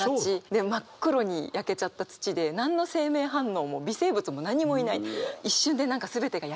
で真っ黒に焼けちゃった土で何の生命反応も微生物も何もいない。